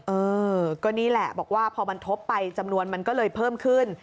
เออก็นี่แหละบอกว่าพอมันทบไปจำนวนมันก็เลยเพิ่มขึ้น